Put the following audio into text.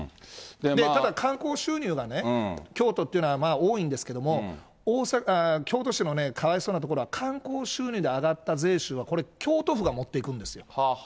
ただ観光収入がね、京都っていうのは多いんですけれども、京都市のかわいそうなところは、観光収入で上がった税収は京都府が持っていくんですよ。